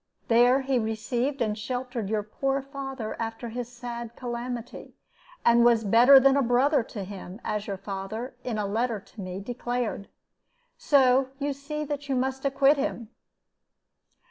There he received and sheltered your poor father after his sad calamity, and was better than a brother to him, as your father, in a letter to me, declared. So you see that you must acquit him."